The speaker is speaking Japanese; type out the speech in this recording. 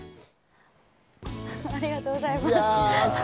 ありがとうございます。